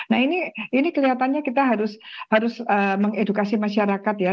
nah ini kelihatannya kita harus mengedukasi masyarakat ya